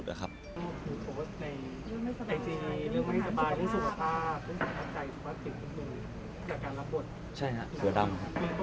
ใช่ครับเผือดำ